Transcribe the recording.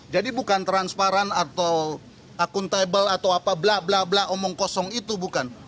jadi bukan transparan atau akuntabel atau apa bla bla bla omong kosong itu bukan